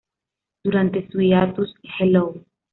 Durante su hiatus, Hello!